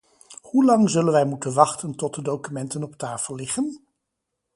Hoelang zullen wij moeten wachten tot de documenten op tafel liggen?